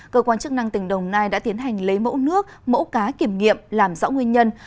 cơ quan chức năng tỉnh đồng nai đã tiến hành lấy mẫu nước mẫu cá kiểm nghiệm làm rõ nguyên nhân